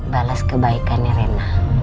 balas kebaikannya rena